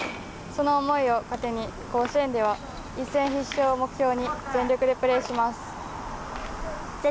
その思いを糧に、甲子園では一戦必勝を目標に全力でプレーします。